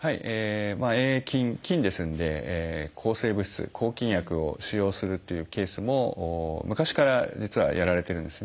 「Ａ．ａ．菌」菌ですので抗生物質抗菌薬を使用するというケースも昔から実はやられてるんですね。